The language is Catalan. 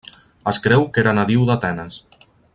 Es creu que era nadiu d'Atenes.